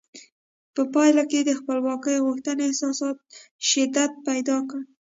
په پایله کې د خپلواکۍ غوښتنې احساساتو شدت پیدا کړ.